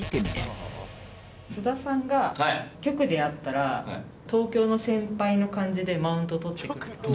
「局で会ったら東京の先輩の感じでマウント取ってくる」って。